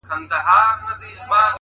هغه مي سايلينټ سوي زړه ته ـ